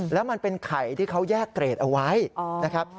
แล้วมันเป็นไข่ที่เขาแยกเกรดเอาไว้นะครับ